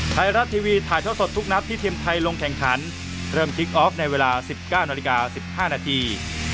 ไทยรัฐทีวีถ่ายท่อสดทุกนัดที่ทีมไทยลงแข่งขันเริ่มคลิกออฟในเวลา๑๙นาฬิกา๑๕นาที